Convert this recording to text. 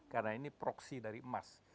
karena ini proxy dari emas